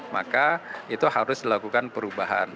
maka itu harus dilakukan perubahan